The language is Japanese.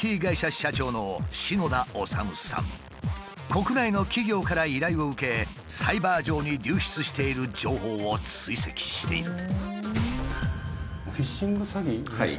国内の企業から依頼を受けサイバー上に流出している情報を追跡している。